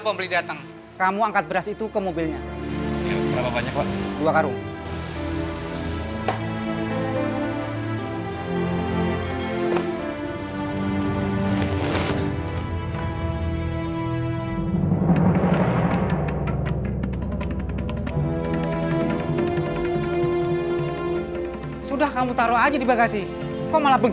mereka harus terima pembalasan